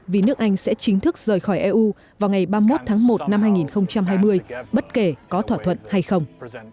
vì nước anh sẽ chính thức rời khỏi eu vào ngày ba mươi một tháng một năm hai nghìn hai mươi bất kể có thỏa thuận hay không